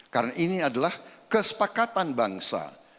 karena ini adalah kesepakatan bangsa